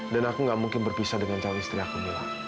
dan aku nggak mungkin berpisah dengan calon istri aku mila